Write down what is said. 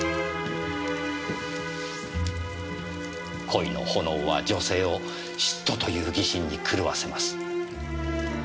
恋の炎は女性を嫉妬という疑心に狂わせます。